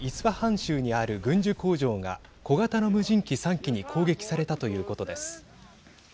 州にある軍需工場が小型の無人機３機に攻撃されたということです。